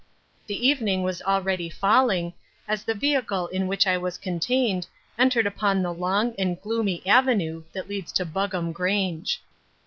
_ The evening was already falling as the vehicle in which I was contained entered upon the long and gloomy avenue that leads to Buggam Grange.